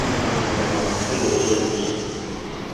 Èwòló éŋɡê.